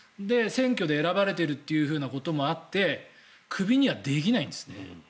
選挙で選ばれているということもあってクビにはできなんですね。